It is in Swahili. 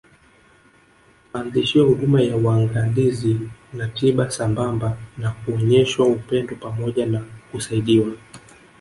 Waanzishiwe huduma ya uangalizi na tiba sambamba na kuonyeshwa upendo pamoja na kusaidiwa